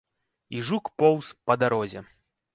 І жук поўз па дарозе.